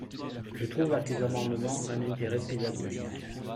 Je trouve à ces amendements un intérêt pédagogique.